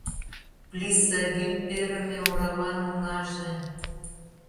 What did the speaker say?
Плиса — вӱд перыме ораван оҥаже.